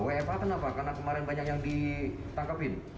wfa kenapa karena kemarin banyak yang ditangkapin